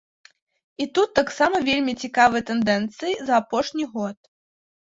І тут таксама вельмі цікавыя тэндэнцыі за апошні год.